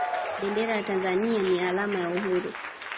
bendera ya tanzania ni alama ya uhuru